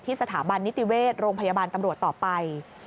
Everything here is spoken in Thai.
สถาบันนิติเวชโรงพยาบาลตำรวจต่อไป